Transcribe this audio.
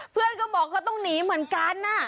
เพื่อนก็บอกก็ต้องหนีเหมือนกัน